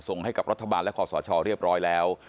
ให้กับรัฐบาลและขอสชเรียบร้อยแล้ว